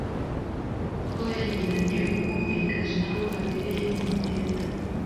kuba yagiranye ubwumvikane n’abo abereyemo imyenda;